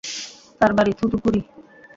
তার বাড়ি থুথুকুডি।